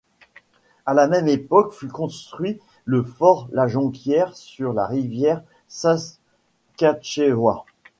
À la même époque fut construit le Fort La Jonquière sur la rivière Saskatchewan.